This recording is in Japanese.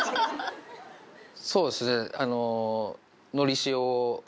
そうですねあの。